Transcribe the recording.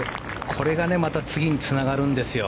これがまた次につながるんですよ。